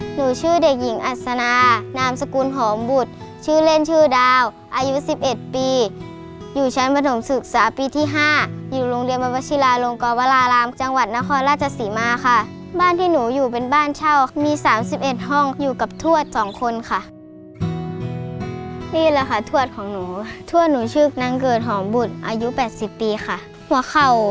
หนูชื่อเด็กหญิงอัศนานามสกุลหอมบุตรชื่อเล่นชื่อดาวอายุ๑๑ปีอยู่ชั้นประถมศึกษาปีที่๕อยู่โรงเรียนวชิลาลงกรวรารามจังหวัดนครราชศรีมาค่ะบ้านที่หนูอยู่เป็นบ้านเช่ามี๓๑ห้องอยู่กับทวดสองคนค่ะนี่แหละค่ะทวดของหนูทวดหนูชื่อนางเกิดหอมบุตรอายุ๘๐ปีค่ะหัวเข่า